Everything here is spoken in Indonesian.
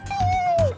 wuhh lu malah narik